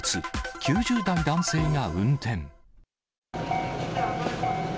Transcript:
９０代男性が運転。